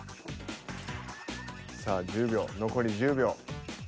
さあ１０秒残り１０秒。